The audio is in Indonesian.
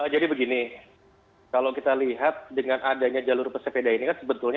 jadi begini kalau kita lihat dengan adanya jalur sepeda ini kan sebetulnya